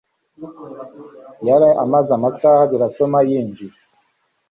Yari amaze amasaha abiri asoma yinjiye